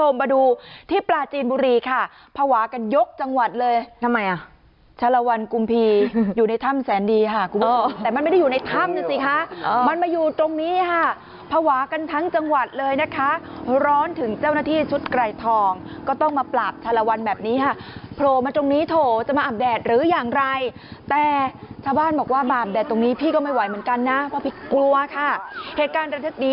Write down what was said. คุณผู้ชมมาดูที่ปลาจีนบุรีค่ะ